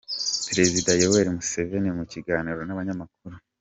Perezida Yoweri Museveni mu kiganiro n’Abanyamakuru